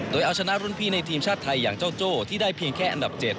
โดยเอาชนะรุ่นพี่ในทีมชาติไทยอย่างเจ้าโจ้ที่ได้เพียงแค่อันดับ๗